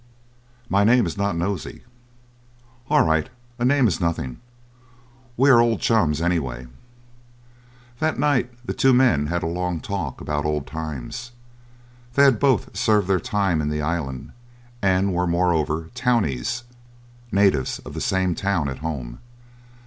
"My name is not Nosey." "All right; a name is nothing. We are old chums, anyway." That night the two men had a long talk about old times. They had both served their time in the island, and were, moreover, "townies," natives of the same town at home.